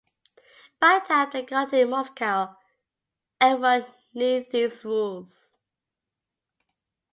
By the time they got to Moscow, everyone knew these rules.